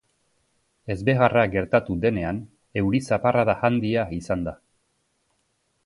Ezbeharra gertatu denean, euri zaparrada handia izan da.